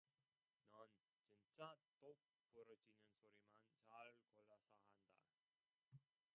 넌 진짜 똑 부러지는 소리만 잘 골라서 한다.